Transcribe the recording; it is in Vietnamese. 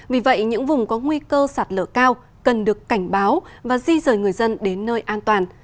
vì vậy những vùng có nguy cơ sạt lở cao cần được cảnh báo và di rời người dân đến nơi an toàn